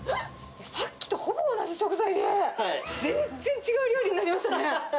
さっきとほぼ同じ食材で、全然違う料理になりましたね。